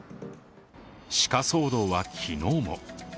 鹿騒動は昨日も。